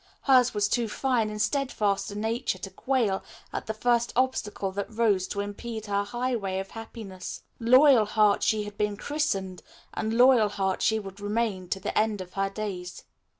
Hers was too fine and steadfast a nature to quail at the first obstacle that rose to impede her highway of happiness. "Loyalheart" she had been christened and "Loyalheart" she would remain to the end of her days.